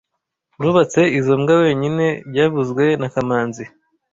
Nubatse izoi mbwa wenyine byavuzwe na kamanzi